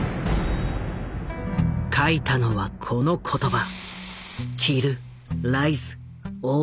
書いたのはこの言葉。